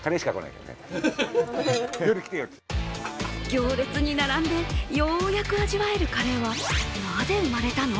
行列に並んでようやく味わえるカレーはなぜ生まれたの？